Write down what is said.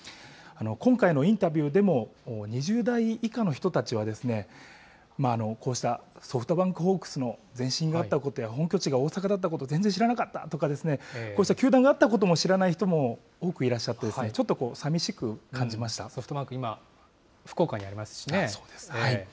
今回のインタビューでも、２０代以下の人たちは、こうしたソフトバンクホークスの前身があったことや、本拠地が大阪だったこと、全然知らなかったとか、こうした球団があったことも知らない人も多くいらっしゃって、ちソフトバンク、今、福岡にあそうですね。